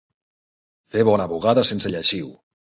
Fer bona bugada sense lleixiu.